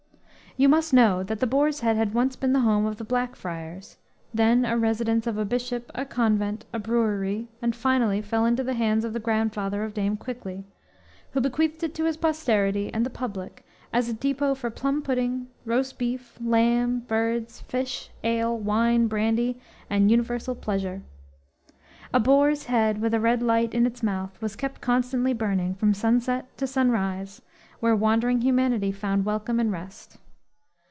You must know that the Boar's Head had once been the home of the "Blackfriars," then a residence of a bishop, a convent, a brewery, and finally fell into the hands of the grandfather of Dame Quickly, who bequeathed it to his posterity and the public as a depot for plum pudding, roast beef, lamb, birds, fish, ale, wine, brandy and universal pleasure. A boar's head, with a red light in its mouth was kept constantly burning from sunset to sunrise, where wandering humanity found welcome and rest.